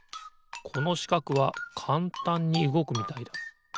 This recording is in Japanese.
このしかくはかんたんにうごくみたいだ。